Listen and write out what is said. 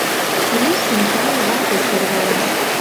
Руш Микал вате сӧрвала: